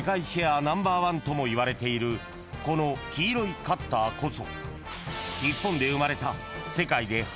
ナンバーワンともいわれているこの黄色いカッターこそ］